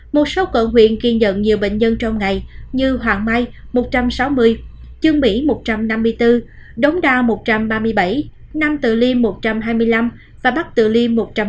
một số quận huyện ghi nhận nhiều bệnh nhân trong ngày như hoàng mai một trăm sáu mươi trường mỹ một trăm năm mươi bốn đống đa một trăm ba mươi bảy năm tự li một trăm hai mươi năm và bắc tự li một trăm một mươi